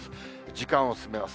時間を進めます。